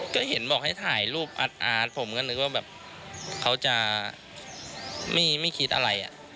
ก็เห็นบอกให้ถ่ายรูปอาร์ตผมก็นึกว่าแบบเขาจะไม่คิดอะไร